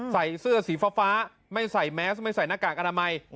ใส่เสื้อสีฟ้าไม่ใส่แมสไม่ใส่หน้ากากอนามัย